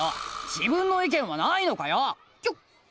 自分の意見はないのかよ！